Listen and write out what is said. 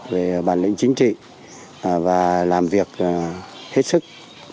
về bản lĩnh chính trị và làm việc hết sức